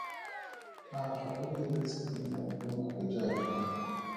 A ga o eletse go nna bonako jaaka nna.